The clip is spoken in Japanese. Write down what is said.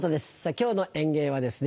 今日の演芸はですね